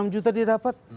tiga enam juta dia dapat